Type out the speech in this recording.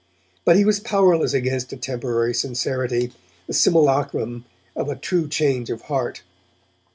But he was powerless against a temporary sincerity, the simulacrum of a true change of heart.